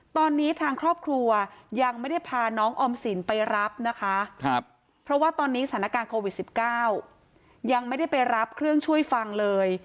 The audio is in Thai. ตอนนี้ทางครอบครัวยังไม่ได้พาน้องออมสินไปรับนะคะเพราะว่าตอนนี้สถานการณ์โควิด๑๙ยังไม่ได้ไปรับเครื่องช่วยฟังเลย